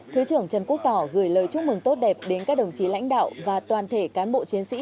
thứ trưởng trần quốc tỏ gửi lời chúc mừng tốt đẹp đến các đồng chí lãnh đạo và toàn thể cán bộ chiến sĩ